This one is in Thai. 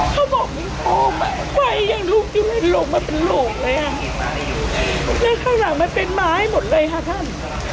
เขาบอกมีโฟมไวอย่างรูปยุงในโลกมันเป็นโหลกเลยค่ะแล้วข้างหลังมันเป็นไม้หมดเลยค่ะท่าน